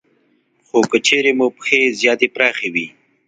خو که چېرې مو پښې زیاتې پراخې وي